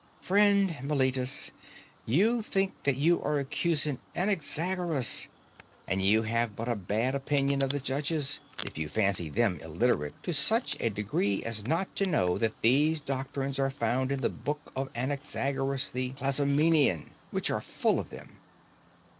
Friend Meletus, you think that you are accusing Anaxagoras: and you have but a bad opinion of the judges, if you fancy them illiterate to such a degree as not to know that these doctrines are found in the books of Anaxagoras the Clazomenian, which are full of them.